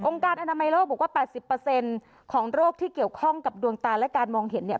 การอนามัยโลกบอกว่า๘๐ของโรคที่เกี่ยวข้องกับดวงตาและการมองเห็นเนี่ย